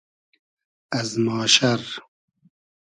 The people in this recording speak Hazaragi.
از ماشئر